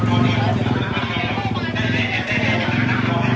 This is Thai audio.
พยายามที่จะเก็บรั้วรวดน้ำอยู่อย่างตลอดนะครับแล้วก็มีการตั้งแนวของโอกาสแล้วนะครับ